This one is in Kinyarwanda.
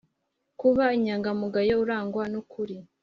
kuba inyangamugayo urangwa n ukuri